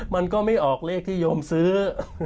มันก็ไม่ออกเลขที่โยมซื้อ